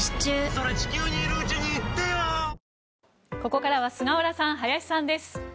ここからは菅原さん、林さんです。